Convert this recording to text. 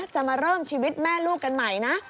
จะมาเริ่มชีวิตแม่ลูกกันใหม่นะ